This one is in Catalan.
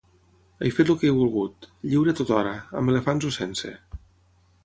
He fet el que he volgut, lliure tothora, amb elefants o sense.